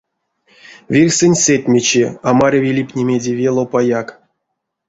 Вирьсэнть сэтьмечи, а маряви липнемеде ве лопаяк.